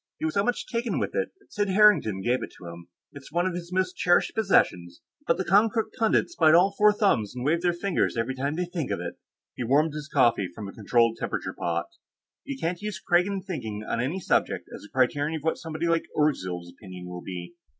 He was so much taken with it that Sid Harrington gave it to him. It's one of his most cherished possessions, but the Konkrook pundits bite all four thumbs and wave their fingers every time they think of it." He warmed his coffee from a controlled temperature pot. "You can't use Kragan thinking on any subject as a criterion of what somebody like Orgzild's opinions will be."